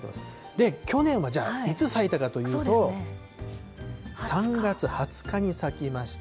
で、去年はじゃあいつ咲いたかというと、３月２０日に咲きました。